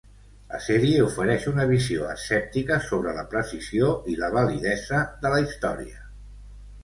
La sèrie ofereix una visió escèptica sobre la precisió i la validesa de la història.